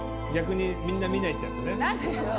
逆にみんな見ないってやつね。